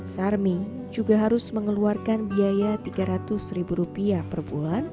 sarmi juga harus mengeluarkan biaya tiga ratus ribu rupiah per bulan